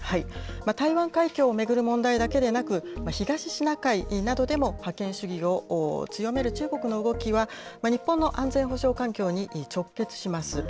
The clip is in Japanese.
台湾海峡を巡る問題だけでなく、東シナ海などでも覇権主義を強める中国の動きは、日本の安全保障環境に直結します。